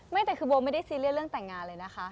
ไม่แต่คือโบไม่ได้ซีเรียสเรื่องแต่งงานเลยนะคะ